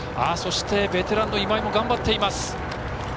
そして、ベテランの今井も頑張っています。